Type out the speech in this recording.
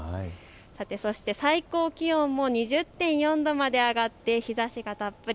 そして最高気温も２０．４度まで上がって日ざしがたっぷり。